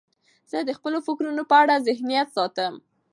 زه د خپلو فکرونو په اړه ذهنیت ساتم.